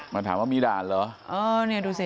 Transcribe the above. มันถามว่ามีด่านรอ